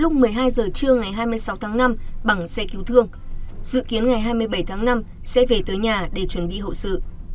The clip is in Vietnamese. lúc một mươi hai giờ trưa ngày hai mươi sáu tháng năm bằng xe cứu thương dự kiến ngày hai mươi bảy tháng năm sẽ về tới nhà để chuẩn bị hậu sự